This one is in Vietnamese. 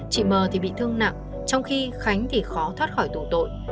chị mờ thì bị thương nặng trong khi khánh thì khó thoát khỏi tủ tội